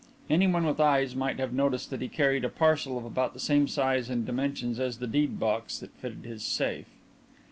Anyone with eyes might have noticed that he carried a parcel of about the same size and dimensions as the deed box that fitted his safe.